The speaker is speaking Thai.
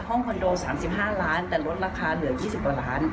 คอนโด๓๕ล้านแต่ลดราคาเหลือ๒๐กว่าล้าน